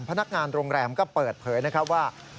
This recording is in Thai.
พนักงานโรงแรมก็เปิดเผยนะครับว่า